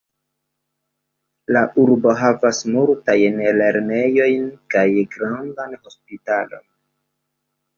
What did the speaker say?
La urbo havas multajn lernejojn kaj grandan hospitalon.